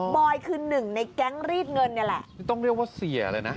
อยคือหนึ่งในแก๊งรีดเงินนี่แหละต้องเรียกว่าเสียเลยนะ